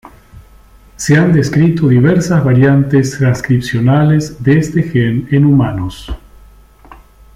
Se han descrito diversas variantes transcripcionales de este gen en humanos.